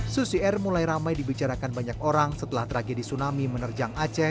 susi air mulai ramai dibicarakan banyak orang setelah tragedi tsunami menerjang aceh